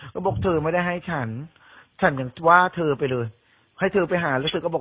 ก็บอกเธอไม่ได้ให้ฉันฉันยังว่าเธอไปเลยให้เธอไปหารู้สึกว่า